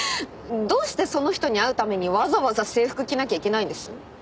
どうしてその人に会うためにわざわざ制服着なきゃいけないんです？